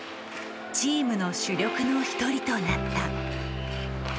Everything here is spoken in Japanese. チームの主力の一人となった。